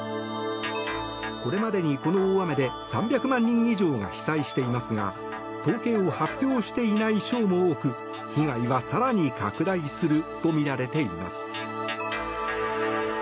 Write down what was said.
これまでに、この大雨で３００万人以上が被災していますが統計を発表していない省も多く被害は更に拡大するとみられています。